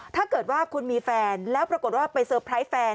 ถ้าเกิดว่าคุณมีแฟนแล้วปรากฏว่าไปเซอร์ไพรส์แฟน